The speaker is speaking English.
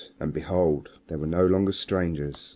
And behold, they were no longer strangers.